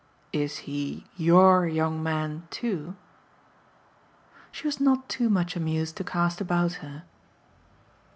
"Is he YOUR young man too?" She was not too much amused to cast about her.